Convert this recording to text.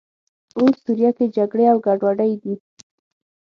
اوس سوریه کې جګړې او ګډوډۍ دي.